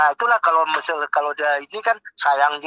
iya itulah kalau misal kalau dia ini kan sayang